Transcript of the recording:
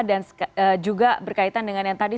dan juga berkaitan dengan yang tadi